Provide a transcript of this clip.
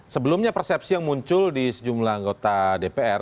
sebelumnya persepsi yang muncul di sejumlah anggota dpr